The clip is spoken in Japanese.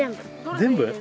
全部？